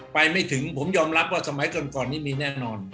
ไม่ถึงผมยอมรับว่าสมัยก่อนนี้มีแน่นอน